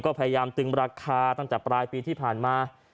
ก็พยายามตึงราคาตั้งแต่ปลายปีที่ผ่านมา